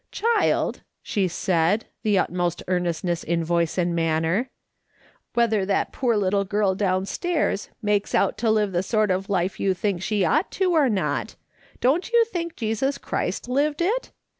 " Child," she said, the utmost earnestness in voice and manner, " whether that poor little girl downstairs makes out to live the sort of life you think she ought to or not, don't you think Jesus Christ lived it